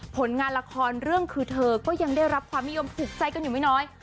ผลงานละครเรื่องคือเธอก็ยังได้รับความนิยมถูกใจกันอยู่ไม่น้อย